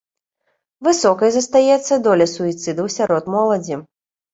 Высокай застаецца доля суіцыдаў сярод моладзі.